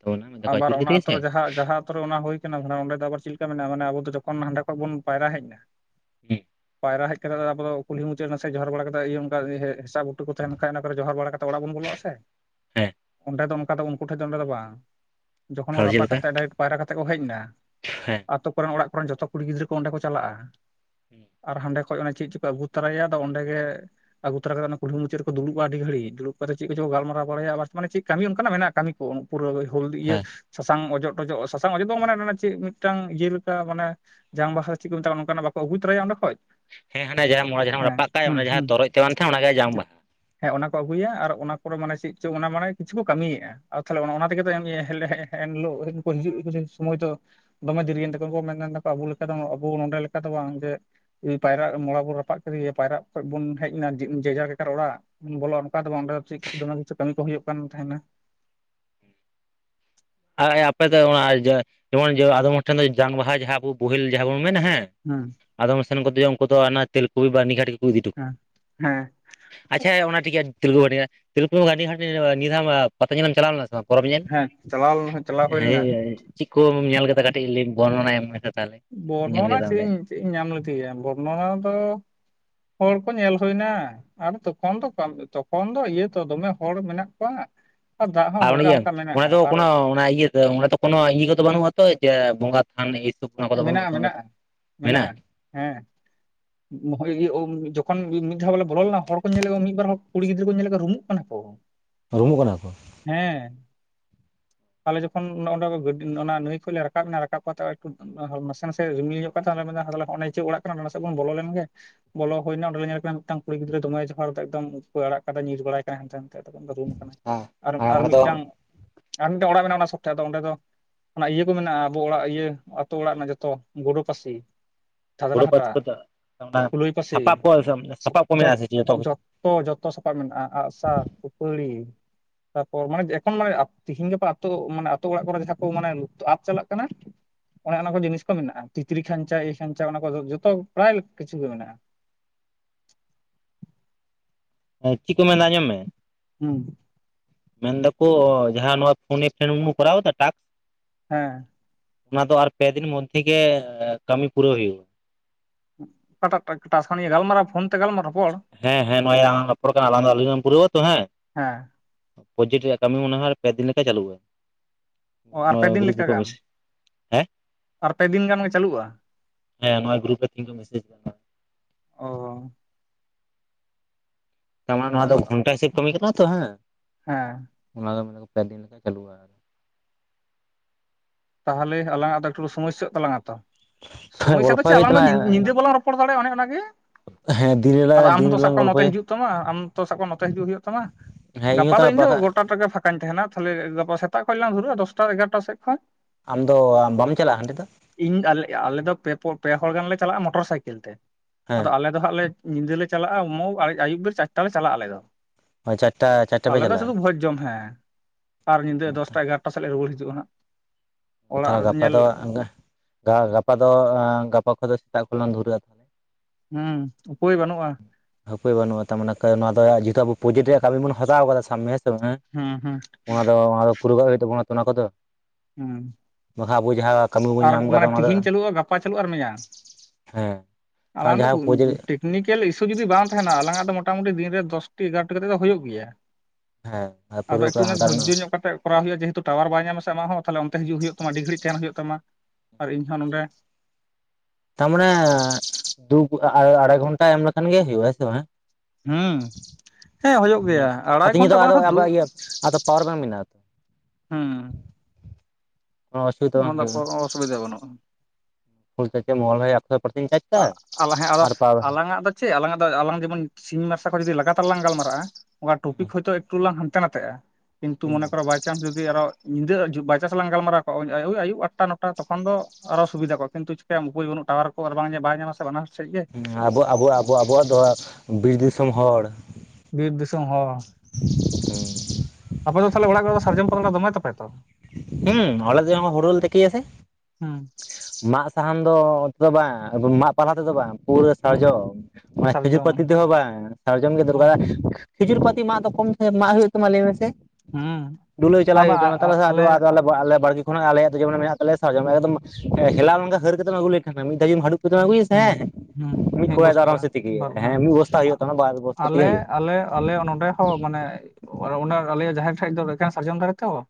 S1: ᱠᱚᱣᱟ [unintelligible]
S2: ᱟᱵᱟᱨ ᱚᱱᱟ ᱟᱛᱩ ᱨᱮ ᱡᱟᱦᱟᱸ ᱡᱟᱦᱟᱸ ᱛᱚᱨ ᱚᱱᱟ ᱦᱩᱭ ᱟᱠᱟᱱᱟ ᱚᱸᱰᱮ ᱫᱚ ᱪᱮᱫ ᱞᱮᱠᱟ ᱢᱮᱱᱟᱜ-ᱟ ᱢᱟᱱᱮ ᱟᱵᱚ ᱡᱚᱠᱷᱚᱱ ᱦᱟᱸᱰᱮ ᱠᱷᱚᱡ ᱵᱚᱱ ᱯᱟᱭᱨᱟ ᱦᱮᱡᱱᱟ ᱾
S1: [unintelligible]
S2: ᱯᱟᱭᱨᱟ ᱦᱮᱡ ᱠᱟᱛᱮ ᱟᱵᱚ ᱫᱚ ᱠᱩᱞᱦᱤ ᱢᱩᱪᱟᱹᱫ ᱱᱟᱥᱮ ᱡᱚᱦᱟᱲ ᱵᱟᱲᱟ ᱠᱟᱛᱮ ᱤᱭᱟᱹ ᱚᱱᱠᱟ ᱤᱭᱟᱹ ᱥᱟᱜ ᱵᱩᱴᱟᱹ ᱠᱚ ᱛᱟᱦᱮᱱ ᱠᱷᱟᱡ ᱚᱱᱟ ᱠᱚᱨᱮ ᱡᱚᱦᱟᱨ ᱵᱟᱲᱟ ᱠᱟᱛᱮᱫ ᱚᱲᱟᱜ ᱵᱚᱱ ᱵᱚᱞᱚᱜ-ᱟ ᱥᱮ
S1: ᱦᱮᱸ
S2: ᱚᱸᱰᱮ ᱫᱚ ᱚᱱᱠᱟ ᱫᱚ ᱩᱱᱠᱩ ᱴᱷᱮᱡ ᱫᱚ ᱚᱸᱰᱮ ᱫᱚ ᱵᱟᱝ ᱡᱚᱠᱷᱚᱱ ᱠᱚ
S1: ᱦᱚᱲ ᱪᱮᱫ
S2: ᱨᱟᱯᱟᱜ
S1: ᱞᱮᱠᱟ
S2: ᱠᱟᱛᱮ ᱰᱟᱭᱨᱮᱴ ᱯᱟᱭᱨᱟ ᱠᱟᱛᱮ ᱠᱚ ᱦᱮᱡᱱᱟ
S1: ᱦᱮᱸ
S2: ᱟᱛᱳ ᱠᱚᱨᱮᱱ ᱚᱲᱟᱜ ᱠᱚᱨᱮᱱ ᱡᱚᱛᱚ ᱠᱩᱲᱤ ᱜᱤᱫᱽᱨᱟᱹ ᱠᱚ ᱚᱸᱰᱮ ᱠᱚ ᱪᱟᱞᱟᱜ-ᱟ ᱟᱨ ᱦᱟᱸᱰᱮ ᱠᱷᱚᱡ ᱚᱱᱮ ᱪᱮᱫ ᱪᱚᱠᱚ ᱟᱹᱜᱩ ᱛᱚᱨᱟᱭᱮᱟ ᱟᱫᱚ ᱚᱸᱰᱮ ᱜᱮ ᱟᱹᱜᱩ ᱛᱚᱨᱟ ᱠᱟᱛᱮ ᱚᱱᱟ ᱠᱩᱞᱦᱤ ᱢᱩᱪᱟᱹᱫ ᱨᱮ ᱠᱚ ᱫᱩᱲᱩᱵ-ᱟ ᱟᱹᱰᱤ ᱜᱷᱟᱲᱤᱡ ᱫᱩᱲᱩᱵ ᱠᱟᱛᱮᱫ ᱠᱚ ᱜᱟᱞᱢᱟᱨᱟᱣ ᱵᱟᱲᱟᱭ-ᱟ ᱵᱟ ᱪᱮᱫ ᱚᱱᱠᱟᱱᱟᱜ ᱢᱮᱱᱟᱜ-ᱟ ᱠᱟᱹᱢᱤ ᱠᱚ [inaudible] ᱯᱩᱨᱟᱹ ᱦᱩᱞ ᱤᱭᱟᱹ
S1: ᱦᱮᱸ
S2: ᱥᱟᱥᱟᱝ ᱚᱡᱚᱜ ᱴᱚᱡᱚᱜ ᱥᱟᱥᱟᱝ ᱚᱡᱚᱜ ᱢᱟᱱᱮ ᱪᱮᱫ ᱢᱤᱫᱴᱟᱝ ᱤᱭᱟᱹ ᱞᱮᱠᱟ ᱢᱟᱱᱮ ᱡᱟᱝ ᱵᱟᱦᱟ ᱪᱮᱫ ᱠᱚ ᱢᱮᱛᱟᱜ [inaudible] ᱱᱚᱝᱠᱟᱱᱟᱜ ᱵᱟᱠᱚ ᱟᱹᱜᱩ ᱛᱚᱨᱟᱭ-ᱟ ᱚᱸᱰᱮᱠᱷᱚᱡ
S1: ᱦᱮᱸ ᱦᱟᱱᱮ ᱡᱟᱦᱟᱸ ᱢᱚᱲᱟ ᱡᱟᱦᱟᱸᱢ ᱨᱟᱯᱟᱜ ᱠᱷᱟᱭ ᱚᱱᱟ ᱡᱟᱦᱟᱸ ᱛᱚᱨᱚᱡ ᱛᱮ ᱵᱟᱝ ᱛᱟᱦᱮᱸᱫ ᱚᱱᱟ ᱜᱮ ᱡᱟᱝ ᱵᱟᱦᱟ᱾
S2: ᱦᱮᱸ ᱚᱱᱟ ᱠᱚ ᱟᱹᱜᱩᱭᱟ ᱟᱨ ᱚᱱᱟ ᱠᱚᱨᱮ ᱢᱟᱱᱮ ᱪᱮᱫ ᱪᱚᱝ ᱚᱱᱟ ᱢᱟᱱᱮ ᱠᱤᱪᱷᱩ ᱠᱚ ᱠᱟᱹᱢᱤᱭᱮᱫ-ᱟ ᱟᱨ ᱛᱟᱦᱚᱞᱮ ᱚᱱᱟ ᱦᱮᱱ ᱦᱤᱞᱳᱜ ᱩᱱᱠᱩ ᱦᱤᱡᱩᱜ-ᱟ ᱥᱚᱢᱚᱭ ᱫᱚ [unintelligible] ᱫᱚᱢᱮ ᱫᱮᱨᱤᱭᱮᱱ ᱛᱟᱠᱚ ᱠᱚ ᱢᱮᱱᱫᱟ ᱠᱚ ᱟᱵᱚ ᱞᱮᱠᱟ ᱫᱚ ᱟᱵᱚ ᱱᱚᱰᱮ ᱞᱮᱠᱟ ᱫᱚ ᱵᱟᱝ ᱡᱮ ᱯᱟᱭᱨᱟᱜ ᱢᱚᱲᱟ ᱵᱚᱱ ᱨᱟᱯᱟᱜ ᱠᱮᱫᱮᱭᱟ ᱯᱟᱭᱨᱟᱜ ᱠᱷᱚᱡ ᱵᱚᱱ ᱦᱮᱡᱱᱟ ᱡᱮᱡᱟᱨ ᱛᱮᱛᱟᱨ ᱚᱲᱟᱜ ᱵᱚᱞᱚ ᱚᱱᱠᱟ ᱫᱚ ᱵᱟᱝ᱾ ᱚᱸᱰᱮ ᱫᱚ [unintelligible] ᱫᱚᱢᱮ ᱠᱤᱪᱷᱩ ᱠᱟᱢᱤ ᱦᱩᱭᱩᱜ ᱠᱟᱱ ᱛᱟᱦᱮᱱᱟ ᱾
S1: ᱟᱨ ᱟᱯᱮ ᱫᱚ ᱚᱱᱟ, [unintelligible] ᱡᱮᱢᱚᱱ ᱟᱫᱚᱢ ᱦᱚᱲ ᱴᱷᱮᱱ ᱫᱚ ᱡᱟᱝ ᱵᱟᱦᱟ ᱡᱟᱦᱟᱸ ᱟᱵᱚ ᱵᱳᱦᱮᱞ ᱡᱟᱦᱟᱸ ᱵᱚᱱ ᱢᱮᱱᱟ᱾ ᱦᱮᱸᱼᱼ
S2: ᱦᱩᱸ᱾
S1: ᱟᱫᱚᱢ ᱥᱮᱱ ᱠᱚᱫᱚ ᱩᱱᱠᱩ ᱫᱚ, ᱚᱱᱟ ᱛᱮᱞᱠᱩᱯᱤ ᱵᱟᱹᱨᱱᱤ ᱜᱷᱟᱴ ᱜᱮᱠᱚ ᱤᱫᱤ ᱦᱚᱴᱚ ᱠᱟᱜᱼᱟ
S2: ᱦᱮᱸ
S1: ᱾
S2: ᱦᱮᱸ
S1: ᱟᱪᱪᱷᱟ ᱚᱱᱟ ᱴᱤᱠ ᱜᱮᱭᱟ᱾ [unintelligible] ᱛᱮ ᱛᱮᱞᱠᱩᱯᱤ ᱜᱷᱟᱴ ᱱᱤᱭᱟᱹ ᱫᱷᱟᱣ ᱯᱟᱛᱟ ᱧᱮᱞ ᱮᱢ ᱪᱟᱞᱟᱣ ᱞᱮᱱᱟ᱾ ᱥᱮ ᱯᱚᱨᱚᱵᱽ ᱧᱮᱞᱼᱼ
S2: ᱦᱮᱸ ᱪᱟᱞᱟᱣ [unintelligible]
S1: ᱦᱮᱸ, ᱪᱮᱫ ᱠᱚᱢ ᱧᱮᱞ ᱠᱮᱫᱟ ᱠᱟᱹᱴᱤᱡ ᱞᱟᱹᱭ, ᱵᱚᱨᱱᱚᱱᱟ ᱮᱢ ᱢᱮᱥᱮ ᱛᱟᱦᱚᱞᱮ᱾ ᱪᱮᱫ ᱠᱚᱢ ᱧᱮᱞ
S2: ᱵᱚᱨᱱᱚᱱᱟ
S1: ᱠᱮᱫᱟ
S2: ᱪᱮᱫ
S1: ᱚᱸᱰᱮ?
S2: ᱤᱧ ᱪᱮᱫ ᱤᱧ ᱧᱟᱢ ᱞᱮᱫᱮᱭᱟ ᱾ ᱵᱚᱨᱱᱚᱱᱟ ᱫᱚᱼᱼ ᱦᱚᱲ ᱠᱚ ᱧᱮᱞ ᱦᱳᱭ ᱱᱟ ᱾ ᱟᱨ ᱛᱚᱠᱷᱚᱱ ᱫᱚ, ᱛᱚᱠᱷᱚᱱ ᱫᱚ ᱤᱭᱟᱹ ᱛᱚ ᱫᱚᱢᱮ ᱦᱚᱲ ᱢᱮᱱᱟᱜ ᱠᱚᱣᱟ ᱾
S1: ᱟᱨ ᱤᱭᱟᱹ [unintelligible] ᱚᱱᱟ ᱫᱚ ᱠᱳᱱᱳ ᱚᱱᱟ ᱤᱭᱟᱹ ᱚᱱᱟ ᱫᱚ ᱠᱚᱱ ᱤᱭᱟᱹ ᱠᱚᱫᱚ ᱵᱟᱹᱱᱩᱜᱼᱟᱛᱚ ᱡᱮ ᱵᱚᱸᱜᱟᱼᱼ ᱛᱷᱟᱱ ᱮ ᱥᱚᱵ [unintelligible] ᱠᱚᱫᱚ ᱵᱟᱹᱱᱩᱜ
S2: ᱢᱮᱱᱟᱜᱼᱟ
S1: ᱟᱫᱚ ᱚᱸᱰᱮ ᱫᱚ
S2: ᱢᱮᱱᱟᱜᱼᱟ
S1: ᱾ ᱢᱮᱱᱟᱜᱼᱟ?
S2: ᱦᱮᱸ᱾ ᱡᱚᱠᱷᱚᱱ ᱢᱤᱫ ᱫᱷᱟᱣ ᱵᱟᱞᱮ ᱵᱚᱞᱚ ᱞᱮᱱᱟ ᱾ ᱦᱚᱲ ᱠᱚ ᱧᱮᱞ ᱢᱤᱫ ᱵᱟᱨ ᱦᱚᱲ ᱠᱩᱲᱤ ᱜᱤᱫᱽᱨᱟᱹ ᱠᱚ ᱧᱮᱞ ᱮᱫ ᱠᱚᱣᱟ ᱨᱩᱢᱩᱜ ᱠᱟᱱᱟ ᱠᱚ ᱾
S1: ᱨᱩᱢᱩᱜ ᱠᱟᱱᱟ ᱠᱚ᱾
S2: ᱦᱮᱸ᱾ ᱟᱞᱮ ᱡᱚᱠᱷᱚᱱ ᱚᱸᱰᱮ, ᱚᱱᱟ ᱱᱟᱹᱭ ᱠᱷᱚᱱᱟᱞᱮ ᱨᱟᱠᱟᱵ ᱮᱱᱟ ᱾ ᱨᱟᱠᱟᱵ ᱠᱟᱛᱮ ᱮᱠᱴᱩ ᱱᱟᱥᱮ ᱱᱟᱥᱮ ᱨᱤᱢᱤᱞ ᱧᱚᱜᱼᱼ ᱛᱮ ᱦᱟᱜ [unintelligible] ᱚᱱᱮ ᱪᱮᱫ ᱚᱲᱟᱜ ᱠᱟᱱᱟ᱾ ᱱᱚᱵᱮ ᱥᱮᱫ ᱵᱚᱱ ᱵᱚᱞᱚ ᱞᱮᱱ ᱜᱮ᱾ ᱵᱚᱞᱚ ᱦᱳᱭᱱᱟ᱾ ᱚᱸᱰᱮ ᱧᱮᱞᱮ ᱠᱟᱱᱟ ᱢᱤᱫᱴᱟᱝ ᱠᱩᱲᱤ ᱜᱤᱫᱽᱨᱟᱹ ᱫᱚᱢᱮ ᱡᱚᱦᱟᱨ ᱮᱠᱫᱚᱢ, ᱩᱵ ᱠᱚ ᱟᱲᱟᱜ ᱠᱟᱫᱟ ᱧᱤᱨ ᱵᱟᱲᱟᱭ ᱠᱟᱱᱟ ᱦᱟᱱᱛᱮ ᱱᱟᱛᱮ᱾ ᱨᱩᱢ ᱠᱟᱱᱟᱭ
S1: ᱦᱮᱸ
S2: ᱾
S1: ᱦᱮᱸ
S2: ᱟᱨ
S1: ᱚᱱᱟ ᱫᱚ
S2: ᱢᱤᱫᱴᱟᱝ, ᱟᱨ ᱢᱤᱫᱴᱟᱝ ᱚᱲᱟᱜ ᱢᱮᱱᱟᱜᱼᱟ ᱚᱱᱟ [unintelligible] ᱚᱸᱰᱮ ᱫᱚᱼᱼ ᱚᱱᱟ ᱤᱭᱟᱹ ᱠᱚ ᱢᱮᱱᱟᱜᱼᱟ᱾ ᱟᱵᱚ ᱚᱲᱟᱜ ᱤᱭᱟᱹ, ᱟᱛᱳ ᱚᱲᱟᱜ ᱨᱮᱱᱟᱜ ᱡᱚᱛᱚ ᱜᱳᱰᱳ ᱯᱟᱹᱥᱤ᱾ ᱫᱷᱟᱫᱨᱟ
S1: ᱜᱩᱲᱩ ᱯᱟᱥ
S2: ᱦᱟᱴᱟᱜ,
S1: ᱠᱚ
S2: ᱠᱩᱞᱟᱹᱭ ᱯᱟᱹᱥᱤ,
S1: ᱥᱟᱯᱟᱵ ᱠᱚ ᱥᱟᱯᱟᱵ ᱠᱚ
S2: ᱡᱚᱛ
S1: ᱢᱮᱱᱟᱜᱼᱟ ᱥᱮ ᱪᱮᱫ ᱡᱚᱛᱚ ᱠᱤᱪᱷᱩ?
S2: ᱡᱚᱛ [unintelligible] ᱚ ᱡᱚᱛᱚ ᱥᱟᱯᱟᱵ ᱢᱮᱱᱟᱜᱼᱟ᱾ ᱟᱜᱼᱥᱟᱨ, ᱥᱩᱯᱟᱹᱲᱤ ᱛᱟᱯᱚᱨ ᱢᱟᱱᱮ ᱮᱠᱷᱚᱱ ᱢᱟᱱᱮᱼᱼ ᱛᱤᱦᱤᱧ ᱜᱟᱯᱟ ᱟᱛᱳ, ᱢᱟᱱᱮ ᱟᱛᱳ ᱚᱲᱟᱜ ᱠᱚᱨᱮ ᱡᱟᱦᱟᱸ ᱠᱚᱨᱮ ᱢᱟᱱᱮ ᱟᱫ ᱪᱟᱞᱟᱜ ᱠᱟᱱᱟ᱾ ᱚᱱᱮ ᱚᱱᱟ ᱠᱚ ᱡᱤᱱᱤᱥ ᱠᱚ ᱢᱮᱱᱟᱜᱼᱟ᱾ ᱛᱤᱛᱨᱤ ᱠᱷᱟᱧᱪᱟ, ᱤᱭᱟᱹ ᱠᱷᱟᱧᱪᱟ, ᱚᱱᱟ ᱠᱚ ᱡᱚᱛᱚ ᱯᱮᱨᱟᱭ ᱠᱤᱪᱷᱩ ᱜᱮ ᱢᱮᱱᱟᱜᱼᱟ᱾
S1: ᱦᱮᱸ, ᱪᱤᱫ ᱠᱚ ᱢᱮᱱᱟ ᱟᱸᱡᱚᱢ ᱢᱮ᱾
S2: ᱦᱩᱸ
S1: ᱢᱮᱱ ᱫᱟᱠᱚ ᱡᱟᱦᱟᱸ ᱱᱚᱣᱟ ᱯᱷᱳᱱ ᱮ ᱯᱷᱮᱨᱮᱱᱰ ᱵᱚᱱ ᱠᱚᱨᱟᱣ ᱮᱫᱟ ᱴᱟᱥᱠ᱾
S2: ᱦᱮᱸ᱾
S1: ᱚᱱᱟ ᱫᱚ ᱟᱨ ᱯᱮ ᱫᱤᱱ ᱢᱚᱫᱽᱫᱷᱮ ᱜᱮ ᱠᱟᱹᱢᱤ ᱯᱩᱨᱟᱹᱣ ᱦᱳᱭᱳᱜᱼᱟ᱾
S2: ᱯᱴᱟᱴᱟ [unintelligible] ᱴᱟᱥᱠ, ᱱᱤᱭᱟᱹ ᱜᱟᱞᱢᱟᱨᱟ ᱯᱷᱳᱱ ᱛᱮ ᱜᱟᱞ ᱢᱟᱨᱟᱣ?
S1: ᱦᱮᱸ, ᱦᱮᱸ, ᱱᱚᱣᱟ ᱟᱞᱟᱝ ᱞᱟᱝ ᱨᱚᱯᱚᱲ ᱠᱟᱱᱟ᱾ ᱟᱞᱟᱝ ᱫᱚ ᱟᱹᱞᱤᱧ ᱞᱟᱝ ᱯᱩᱨᱟᱹ ᱟᱛᱚ ᱦᱮᱸ᱾
S2: ᱦᱮᱸ
S1: ᱯᱨᱚᱡᱮᱠᱴ ᱨᱮᱭᱟᱜ ᱠᱟᱹᱢᱤ ᱢᱚᱱᱮ ᱦᱚᱭ ᱯᱮ ᱫᱤᱱ ᱞᱮᱠᱟ ᱪᱟᱹᱞᱩᱜᱼᱟ᱾
S2: ᱚ ᱟᱨ
S1: ᱱᱚᱣᱟ
S2: ᱯᱮ ᱫᱤᱱ
S1: ᱜᱩᱨᱯ
S2: ᱞᱮᱠᱟ
S1: ᱨᱮᱠᱚ
S2: ᱜᱟᱱ
S1: ᱢᱮᱥᱮᱡ
S2: ᱟᱨ ᱯᱮ ᱫᱤᱱ ᱜᱟᱱ ᱜᱮ ᱪᱟᱹᱞᱩᱜᱼᱟ
S1: [unintelligible] ᱦᱮᱸ? ᱱᱚᱣᱟ ᱜᱨᱩᱯ ᱨᱮ ᱛᱮᱦᱮᱧ ᱠᱚ ᱢᱮᱥᱮᱡᱟ᱾
S2: ᱚᱻ
S1: ᱛᱟᱢᱟ ᱱᱚᱣᱟ ᱫᱚ
S2: ᱟᱫᱚ
S1: ᱜᱷᱚᱱᱴᱟ ᱦᱤᱥᱟᱹᱵ ᱠᱟᱹᱢᱤ ᱠᱟᱱᱟ ᱛᱚ᱾ ᱦᱮᱸ,
S2: ᱦᱮᱸ
S1: ᱚᱱᱟ ᱫᱚ ᱢᱮᱱ ᱫᱟ ᱯᱮ ᱫᱤᱱ ᱞᱮᱠᱟ ᱪᱟᱹᱞᱩᱜᱼᱟ ᱾
S2: ᱛᱟᱦᱚᱞᱮ ᱟᱞᱟᱝ ᱟ ᱫᱚ, ᱮᱠᱴᱩ ᱥᱚᱢᱚᱥᱟ ᱛᱟᱞᱟᱝ ᱟ ᱛᱚ᱾
S1: ᱦᱮᱸ
S2: ᱥᱚᱢᱚᱥᱟ ᱫᱚ
S1: ᱜᱚᱞᱯᱚᱭ
S2: ᱪᱮᱫ
S1: ᱦᱩᱭᱩᱜ
S2: ᱟᱞᱟᱝ ᱫᱚ ᱧᱤᱫᱟᱹ
S1: ᱛᱟᱞᱟᱝᱟ
S2: ᱵᱟᱞᱟᱝ ᱨᱚᱯᱚᱲ ᱫᱟᱲᱮᱭᱟᱜᱼᱟ ᱚᱱᱮ ᱚᱱᱟ ᱜᱮ᱾
S1: ᱦᱮᱸ, ᱫᱤᱱ ᱨᱮᱞᱟ [unintelligible] ᱫᱤᱱ ᱨᱮᱞᱟᱝ ᱜᱚᱞᱯᱚᱭᱟ᱾
S2: ᱦᱤᱡᱩᱜ ᱛᱟᱢᱟ, ᱟᱢ ᱛᱚ ᱥᱟᱵᱟᱜ ᱢᱮ ᱱᱚᱛᱮ ᱦᱤᱡᱩᱜ ᱦᱩᱭᱩᱜ ᱛᱟᱢᱟ ᱾
S1: ᱦᱮᱸ ᱦᱚᱸ
S2: ᱜᱟᱯᱟ ᱫᱚ
S1: ᱛᱟᱦᱚᱞᱮ
S2: ᱤᱧ ᱫᱚ
S1: ᱵᱟᱠᱷᱟᱡ
S2: ᱜᱚᱴᱟ ᱴᱟᱠᱟ [unintelligible] ᱯᱷᱟᱸᱠᱟᱧ ᱛᱟᱦᱮᱱᱟ᱾ ᱛᱟᱦᱚᱞᱮ ᱜᱟᱯᱟ ᱥᱮᱛᱟᱜ ᱠᱷᱚᱱ ᱞᱟᱝ ᱫᱷᱩᱨᱟᱹᱜᱼᱟ, ᱫᱚᱥᱴᱟᱼᱮᱜᱟᱨᱚᱴᱟ ᱥᱮᱫ ᱠᱷᱚᱡ᱾
S1: ᱟᱢ ᱫᱚ ᱵᱟᱢ ᱪᱟᱞᱟᱜᱼᱟ ᱦᱟᱰᱮ ᱫᱚ?
S2: ᱤᱧ, ᱟᱞᱮ ᱫᱚ ᱯᱮ ᱦᱚᱲ ᱜᱟᱱ ᱞᱮ ᱪᱟᱞᱟᱜᱼᱟ᱾ ᱢᱚᱴᱚᱨ ᱥᱟᱭᱠᱮᱞ ᱛᱮ,
S1: ᱦᱮᱸ
S2: ᱟᱫᱚ ᱟᱞᱮᱼᱼ ᱟᱫᱚ ᱦᱟᱸᱜ ᱞᱮ, ᱧᱤᱫᱟᱹ ᱞᱮ ᱪᱟᱞᱟᱜᱼᱟ᱾ ᱟᱭᱩᱵ ᱪᱟᱨᱴᱟ ᱞᱮ ᱪᱟᱞᱟᱜᱼᱟ ᱟᱞᱮ ᱫᱚ᱾
S1: ᱪᱟᱨᱴᱟ ᱪᱟᱨᱴᱟ ᱯᱮ
S2: ᱟᱞᱮ ᱫᱚ
S1: ᱪᱟᱞᱟᱜᱼᱟ
S2: ᱥᱩᱫᱷᱩ ᱵᱷᱚᱡᱽ ᱡᱚᱢ ᱦᱮᱸ᱾ ᱟᱨ ᱧᱤᱫᱟᱹ ᱫᱚᱥᱴᱟ ᱮᱜᱟᱨᱚᱴᱟ ᱥᱮᱫ ᱞᱮ ᱨᱩᱣᱟᱹᱲ ᱦᱤᱡᱩᱜᱼᱟ ᱦᱟᱸᱜ᱾ ᱚᱲᱟᱜ
S1: ᱛᱟᱦᱚᱞᱮ
S2: ᱨᱮ
S1: ᱜᱟᱯᱟ
S2: ᱧᱮᱞ
S1: ᱫᱚ, [unintelligible] ᱜᱟᱯᱟ ᱫᱚ, ᱜᱟᱯᱟ ᱠᱷᱚᱱ ᱫᱚ ᱥᱮᱛᱟᱜ ᱠᱷᱚᱱ ᱫᱷᱩᱨᱟᱹᱜᱼᱟ ᱟᱯᱮ᱾
S2: ᱦᱩᱸ ᱩᱯᱟᱹᱭ ᱵᱟᱹᱱᱩᱜᱼᱟ
S1: ᱦᱟᱹᱯᱟᱹᱭ ᱵᱟᱹᱱᱩᱜᱼᱟ ᱛᱟ ᱢᱟᱱᱮ ᱱᱚᱣᱟ ᱫᱚ ᱡᱮᱦᱚᱛᱩ ᱟᱵᱚ ᱯᱨᱚᱡᱮᱠᱴ ᱨᱮᱭᱟᱜ ᱠᱟᱹᱢᱤ ᱵᱚᱱ ᱦᱟᱛᱟᱣ ᱟᱠᱟᱫᱟ ᱥᱟᱵ ᱢᱮ ᱦᱮᱸᱥᱮ ᱵᱟᱝ ᱦᱮ
S2: ᱦᱩᱸ ᱦᱩᱸ
S1: ᱚᱱᱟ ᱫᱚ ᱚᱱᱟ ᱫᱚ ᱯᱩᱨᱟᱹᱣ ᱠᱟᱜ ᱦᱩᱭᱩᱜ ᱛᱟᱵᱚᱱᱟ ᱛᱚ ᱚᱱᱟ ᱠᱚᱫᱚ
S2: ᱦᱩᱸ
S1: ᱵᱟᱝᱠᱷᱟᱱ ᱟᱵᱚ ᱡᱟᱦᱟᱸ ᱠᱟᱹᱢᱤ ᱵᱚᱱ
S2: ᱟᱨ
S1: ᱧᱟᱢ ᱠᱟᱫᱟ
S2: ᱢᱟᱱᱮ
S1: ᱚᱱᱟ ᱫᱚ
S2: ᱛᱤᱦᱤᱧ ᱪᱟᱞᱩ ᱟ ᱜᱟᱯᱟ ᱪᱟᱞᱩ ᱟ ᱟᱨ ᱢᱮᱭᱟᱝ
S1: ᱦᱮᱸ ᱠᱟᱨᱚᱱ
S2: ᱟᱞᱟᱝ ᱫᱚ
S1: ᱡᱟᱦᱟᱸ ᱯᱨᱚᱡᱮᱠᱴ
S2: ᱛᱠᱱᱤᱠᱮᱞ ᱤᱥᱩᱹ ᱡᱩᱫᱤ ᱵᱟᱝ ᱛᱟᱦᱮᱱᱟ ᱟᱞᱟᱝᱟᱜ ᱫᱚ ᱢᱚᱴᱟ ᱢᱩᱴᱤ ᱫᱤᱱᱨᱮ ᱫᱚᱥᱴᱤ ᱮᱜᱟᱨᱚᱴ ᱠᱟ ᱠᱟᱛᱮᱫ ᱫᱚ ᱦᱩᱭᱩᱜ ᱜᱮᱭᱟ
S1: ᱦᱮᱸ
S2: ᱟᱫᱚ
S1: ᱯᱩᱨᱟᱹᱣ
S2: ᱮᱠᱴᱩ
S1: ᱠᱟᱜ
S2: ᱚᱱᱟ ᱫᱚ
S1: ᱠᱟᱨᱚᱱ
S2: ᱫᱷᱳᱨᱡᱚ ᱧᱚᱜ ᱠᱟᱛᱮᱫ ᱠᱚᱨᱟᱣ ᱦᱩᱭᱩᱜᱼᱟ ᱡᱮᱦᱮᱛᱩ ᱴᱟᱣᱟᱨ ᱵᱟᱭ ᱧᱟᱢᱟ ᱟᱢᱟᱜ ᱦᱚᱸ ᱛᱟᱦᱚᱞᱮ ᱚᱱᱛᱮ ᱦᱤᱡ ᱦᱩᱭᱩᱜ ᱛᱟᱢᱟ ᱟᱰᱤ ᱜᱷᱟᱲᱤᱡ ᱛᱟᱦᱮᱱ ᱦᱩᱭᱩᱜ ᱛᱟᱢᱟ ᱟᱨ ᱤᱧᱦᱚᱸ ᱱᱚᱰᱮ
S1: ᱛᱟᱨᱢᱟᱱᱮ ᱫᱩ ᱟᱲᱟᱭ ᱜᱷᱚᱱᱴᱟ ᱮᱢ ᱞᱮᱠᱷᱟᱱ ᱜᱮ ᱦᱩᱭᱩᱜ ᱟ ᱦᱮᱥᱮ ᱵᱟᱝ
S2: ᱦᱩᱸ ᱦᱮᱸ ᱦᱩᱭᱩᱜ ᱜᱮᱭᱟ ᱟᱲᱟᱭ
S1: ᱟᱫᱚ ᱱᱤᱭᱟᱹ ᱫᱚ
S2: ᱜᱷᱚᱱᱴᱟ ᱵᱟᱝ
S1: ᱟᱫᱚ
S2: ᱨᱮᱦᱚᱸ ᱫᱩ
S1: ᱟᱵᱟᱨ ᱤᱭᱟᱹ ᱟᱫᱚ ᱯᱟᱣᱟᱨ ᱵᱮᱝᱠ ᱢᱮᱱᱟᱜᱼᱟ ᱛᱚ
S2: ᱦᱩᱸ
S1: ᱠᱳᱱᱳ ᱚᱥᱩᱵᱤᱫᱟ ᱵᱟᱝ
S2: ᱚᱱᱟᱫᱟ
S1: ᱦᱩᱭᱩᱜᱼᱟ
S2: ᱚᱥᱩᱵᱤᱫᱟ ᱵᱟᱹᱱᱩᱜᱼᱟ
S1: ᱯᱷᱩᱞ ᱪᱮ ᱢᱚᱦᱚᱞ ᱵᱷᱟᱭ ᱟᱯᱮ ᱫᱚ
S2: ᱟᱞᱟᱝ ᱦᱮᱸ ᱟᱫᱚ
S1: [unintelligible] ᱟᱨ
S2: ᱟᱞᱟᱝᱟᱜ ᱫᱚ ᱪᱮᱫ ᱟᱞᱟᱝ ᱟᱜ ᱫᱚ ᱟᱞᱟᱝ ᱡᱮᱢᱚᱱ ᱥᱤᱧ ᱢᱟᱨᱥᱟ ᱡᱩᱫᱤ ᱞᱟᱜᱟᱛᱟᱨ ᱞᱟᱝ ᱜᱟᱞᱢᱟᱨᱟᱜᱼᱟ ᱚᱱᱟ ᱴᱚᱯᱤᱠ
S1: ᱦᱩᱸ
S2: ᱦᱚᱭᱛᱚ ᱮᱠᱴᱩ ᱞᱟᱝ ᱦᱟᱱᱛᱮ ᱱᱟᱛᱮᱜᱼᱟ ᱠᱤᱱᱛᱩ ᱢᱚᱱᱮ ᱠᱚᱨᱮ ᱵᱟᱭ ᱪᱟᱱᱥ ᱡᱩᱫᱤ ᱟᱨᱚ ᱧᱤᱫᱟᱹ ᱵᱟᱭᱪᱟᱥ ᱞᱟᱝ ᱜᱟᱞᱢᱟᱨᱟᱣ ᱠᱚᱜᱼᱟ ᱳᱭ ᱟᱹᱭᱩᱵ ᱟᱴᱟ ᱱᱚᱴᱟ ᱛᱚᱠᱷᱚᱱ ᱫᱚ ᱟᱨᱚ ᱥᱩᱵᱤᱫᱟ ᱠᱚᱣᱟ ᱠᱤᱱᱛᱩ ᱪᱤᱠᱟᱹᱭᱟ ᱩᱯᱟᱹᱭ ᱵᱟᱹᱱᱩᱜ ᱴᱟᱣᱟᱨ ᱟᱨ ᱵᱟᱝ ᱵᱟᱭ ᱧᱟᱢᱟ ᱥᱮ ᱵᱟᱱᱟᱨ ᱥᱮᱫ ᱜᱮ
S1: ᱦᱮ ᱟᱵᱚ ᱟᱵᱚ ᱟᱵᱚ ᱟᱵᱚᱣᱟᱜ ᱫᱚ ᱵᱤᱨ ᱫᱤᱥᱚᱢ ᱦᱚᱲ
S2: ᱵᱤᱨ ᱫᱤᱥᱚᱢ ᱦᱚᱲ ᱟᱯᱮ ᱫᱚ ᱛᱟᱦᱚᱞᱮ ᱚᱲᱟᱜ ᱠᱚ ᱨᱮᱫᱚ ᱥᱟᱨᱡᱚᱢ ᱯᱟᱛᱲᱟ ᱫᱚᱢᱮ ᱛᱟᱯᱮ ᱛᱚ
S1: ᱦᱩᱸ ᱟᱞᱮ ᱫᱚ ᱡᱚᱠᱷᱚᱱ ᱦᱩᱲᱩᱞᱮ ᱛᱤᱠᱤ ᱟᱥᱮ
S2: ᱦᱩᱸ
S1: ᱢᱟᱜ ᱥᱟᱦᱟᱱ ᱫᱚ ᱛᱮᱫᱚ ᱵᱟᱝ ᱢᱟᱜ ᱯᱟᱞᱦᱟ ᱛᱮᱫᱚ ᱵᱟᱝ ᱯᱩᱨᱟᱹ
S2: ᱦᱩᱸ
S1: ᱥᱟᱨᱡᱚᱢ ᱢᱟᱱᱮ ᱠᱷᱤᱡᱩᱨ
S2: ᱥᱟᱨᱡᱚᱢ
S1: ᱯᱟᱹᱛᱤ ᱛᱮᱦᱚᱸ ᱵᱟᱝ ᱥᱟᱨᱡᱚᱢ ᱜᱮ ᱫᱚᱨᱠᱟᱨᱟ ᱠᱷᱤᱡᱩᱨ ᱯᱟᱛᱤ ᱢᱟᱜ ᱫᱚ ᱠᱚᱢᱛᱮ ᱢᱟᱜ ᱦᱩᱭᱩᱜ ᱛᱟᱢᱟ ᱞᱟᱹᱭ ᱢᱮᱥᱮ
S2: ᱦᱩᱸ
S1: ᱰᱩᱞᱟᱹᱣ
S2: ᱟᱨ
S1: ᱪᱟᱞᱟᱜ
S2: ᱵᱟ
S1: ᱦᱩᱭᱩᱜ ᱛᱟᱢᱟ ᱛᱟᱦᱚᱞᱮ ᱟᱫᱚ
S2: ᱟᱞᱮ
S1: ᱟᱞᱮ ᱵᱟᱲᱜᱮ ᱠᱷᱚᱱᱟᱜ ᱟᱞᱮᱭᱟᱜ ᱡᱮᱢᱚᱱ ᱢᱮᱱᱟᱜ ᱛᱟᱞᱮᱭᱟ ᱥᱟᱨᱡᱚᱢ
S2: ᱦᱩᱸ
S1: ᱮᱠᱫᱚᱢ ᱦᱮᱞᱟᱣ ᱞᱮᱝᱠᱟ ᱦᱟᱹᱨ ᱠᱟᱛᱮᱢ ᱟᱹᱜᱩ ᱞᱮᱠᱷᱟᱱ ᱢᱤᱫ ᱫᱷᱟᱣ ᱦᱟᱲᱩᱵ ᱠᱟᱛᱮᱢ ᱟᱜᱩᱭᱟᱥᱮ ᱦᱮᱸ
S2: ᱦᱩᱸ
S1: ᱢᱤᱫ ᱠᱚᱨᱦᱟᱭ ᱫᱚ
S2: ᱵᱚᱥᱛᱟ
S1: ᱟᱨᱟᱢ ᱥᱮ
S2: ᱵᱟᱨ
S1: ᱛᱮᱠᱤᱭᱟ ᱦᱮᱸ ᱢᱤᱫ ᱵᱚᱥᱛᱟ ᱦᱩᱭᱩᱜ ᱛᱟᱢᱟ ᱵᱟᱨ ᱵᱚᱥᱛᱟ ᱛᱮᱜᱮ ᱦᱩᱭᱩᱜ
S2: ᱟᱞᱮᱭᱟᱜ ᱱᱚᱸᱰᱮ ᱦᱚᱸ ᱢᱟᱱᱮ ᱟᱞᱮ ᱡᱟᱦᱮᱨ ᱴᱷᱮᱡ ᱫᱚ ᱮᱠᱮᱱ ᱥᱟᱨᱡᱚᱢ ᱫᱟᱨᱮ ᱛᱚ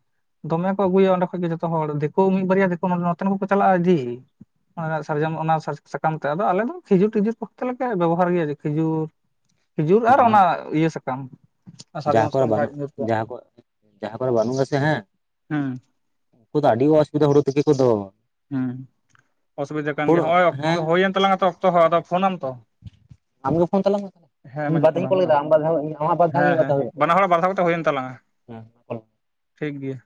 S2: ᱫᱚᱢᱮ ᱠᱚ ᱟᱹᱜᱩᱭᱟ ᱚᱸᱰᱮ ᱠᱷᱚᱱ ᱜᱮ ᱡᱚᱛᱚ ᱦᱚᱲ ᱫᱤᱠᱩ ᱢᱤᱫ ᱵᱟᱨᱭᱟ ᱫᱤᱠᱩ ᱱᱚᱛᱮᱱ ᱠᱚᱠᱚ ᱪᱟᱞᱟᱜ-ᱟ ᱤᱫᱤ ᱚᱱᱟ ᱨᱮᱱᱟᱜ ᱥᱟᱨᱡᱚᱢ ᱚᱱᱟ ᱥᱟᱨᱡᱚᱢ ᱥᱟᱠᱟᱢ ᱛᱮ ᱟᱫᱚ ᱟᱞᱮ ᱫᱚ ᱠᱷᱤᱡᱩᱨ ᱴᱤᱡᱩᱨ ᱯᱚᱠᱛᱮᱞᱮ ᱵᱮᱵᱚᱦᱟᱨ ᱜᱮᱭᱟ ᱠᱷᱤᱡᱩᱨ ᱠᱷᱤᱡᱩᱨ ᱟᱨ
S1: ᱛᱟᱢᱟ
S2: ᱚᱱᱟ ᱤᱭᱟᱹ ᱥᱟᱠᱟᱢ ᱥᱟᱨᱡᱚᱢ
S1: ᱡᱟᱦᱟᱸ ᱠᱚᱨᱮ
S2: ᱥᱟᱠᱟᱢ
S1: ᱵᱟᱹᱱᱩᱜ
S2: ᱧᱩᱨ ᱠᱚᱜ
S1: ᱡᱟᱦᱟᱸ ᱠᱚ ᱡᱟᱦᱟᱸ ᱠᱚᱨᱮ ᱵᱟᱹᱱᱩᱜ ᱟᱥᱮ ᱦᱮᱸ
S2: ᱦᱩᱸ
S1: ᱩᱱᱠᱩ ᱫᱚ ᱟᱹᱰᱤ ᱚᱥᱩᱵᱤᱫᱟ ᱦᱩᱲᱩ ᱛᱤᱠᱤ ᱠᱚᱫᱚ
S2: ᱦᱮᱸ ᱚᱥᱩᱵᱤᱫᱷᱟ ᱠᱟᱱ ᱜᱮᱭᱟ
S1: ᱦᱩᱲᱩ
S2: ᱦᱚᱜ-ᱚᱭ ᱚᱠᱛᱚ
S1: ᱦᱮᱸ
S2: ᱦᱩᱭᱮᱱ ᱛᱟᱞᱟᱝᱟ ᱛᱚ ᱚᱠᱛᱚ ᱦᱚᱸ ᱟᱫᱚ ᱯᱷᱳᱱᱟᱢ ᱛᱚ
S1: ᱟᱢᱜᱮ ᱯᱷᱳᱱ ᱛᱟᱞᱟᱝᱢᱮ
S2: ᱦᱮᱸ
S1: ᱤᱧ
S2: ᱢᱟᱧ
S1: ᱵᱟᱨᱫᱷᱟᱣ ᱤᱧ
S2: ᱯᱷᱳᱱᱟᱢ
S1: ᱠᱚᱞ ᱠᱮᱫᱟ
S2: ᱠᱟᱱᱟ
S1: ᱟᱢ ᱵᱟᱫ ᱫᱷᱟᱣ ᱟᱢᱟᱜ ᱵᱟᱨ ᱫᱷᱟᱣ
S2: ᱦᱮᱸ
S1: ᱟᱢ ᱵᱟᱨ
S2: ᱦᱮᱸ
S1: ᱫᱷᱟᱣ ᱦᱩᱭᱩᱜ
S2: ᱵᱟᱱᱟ ᱦᱚᱲᱟᱜ ᱵᱟᱨ ᱫᱷᱟᱣ ᱠᱟᱛᱮ ᱦᱩᱭᱮᱱ ᱛᱟᱞᱟᱝᱟ
S1: ᱛᱟᱢᱟ ᱢᱮ
S2: ᱴᱷᱤᱠ ᱜᱮᱭᱟ